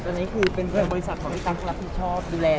อันนี้คือเป็นเพื่อนบริษัทของพี่ตั๊กครับที่ชอบดูแลต่อมาเลย